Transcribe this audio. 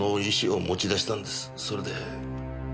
それで。